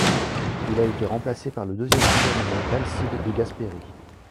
Il a été remplacé par le deuxième gouvernement d'Alcide De Gasperi.